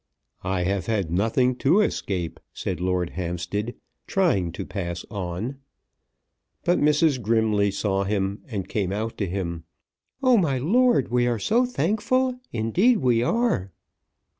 "I have had nothing to escape," said Lord Hampstead trying to pass on. But Mrs. Grimley saw him, and came out to him. "Oh, my lord, we are so thankful; indeed, we are."